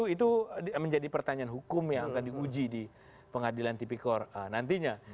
itu menjadi pertanyaan hukum yang akan diuji di pengadilan tipikor nantinya